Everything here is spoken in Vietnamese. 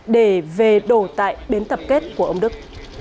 để về đổ tại bến tập kết của ông đức